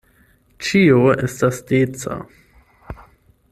Ĉio estas deca.